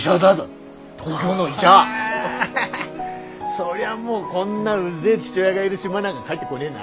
そりゃもうこんなうぜえ父親がいる島なんか帰ってこねえな。